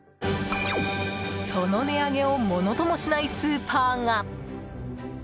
その値上げをものともしないスーパーが！